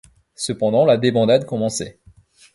Cependant, la débandade commençait.